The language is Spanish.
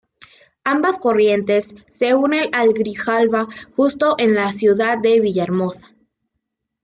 Ambas corrientes, se unen al Grijalva justo en la ciudad de Villahermosa.